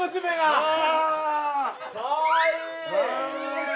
かわいい！